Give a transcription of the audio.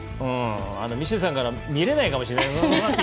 ミシェルさんからは見れないかもしれない。